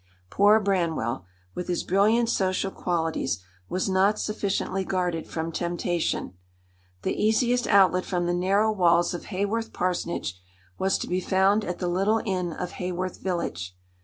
Poor Branwell, with his brilliant social qualities, was not sufficiently guarded from temptation. The easiest outlet from the narrow walls of Haworth parsonage was to be found at the little inn of Haworth village.